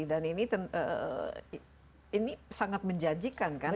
dan ini sangat menjanjikan kan